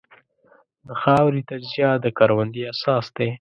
د خاورې تجزیه د کروندې اساس دی.